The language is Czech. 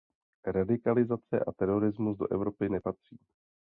Radikalizace a terorismus do Evropy nepatří.